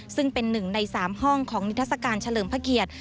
ซึ่งเป็นหนึ่งใน๓ห้องของนิทัศกาลเฉลิมพระเกียรติ